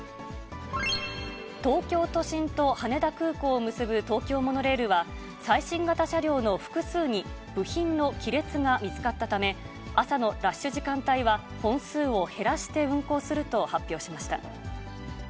東京都心と羽田空港を結ぶ東京モノレールは、最新型車両の複数に、部品の亀裂が見つかったため、朝のラッシュ時間帯は本数を減らして運行すると発表しました。